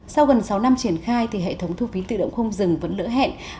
sau gần sáu năm triển khai thì hệ thống thu phí tự động không dừng vẫn lỡ hẹn